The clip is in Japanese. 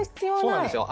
そうなんですよ。